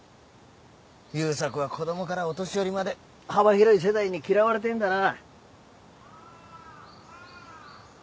悠作は子供からお年寄りまで幅広い世代に嫌われてんだな。